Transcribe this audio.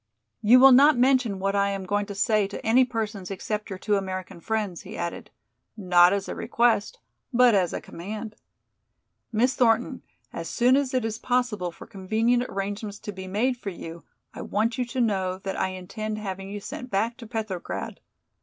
"You will not mention what I am going to say to any persons except your two American friends," he added, not as a request, but as a command. "Miss Thornton, as soon as it is possible for convenient arrangements to be made for you I want you to know that I intend having you sent back to Petrograd.